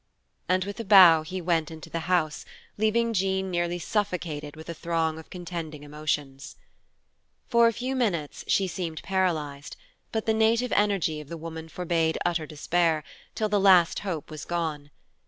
And with a bow he went into the house, leaving Jean nearly suffocated with a throng of contending emotions. For a few minutes she seemed paralyzed; but the native energy of the woman forbade utter despair, till the last hope was gone.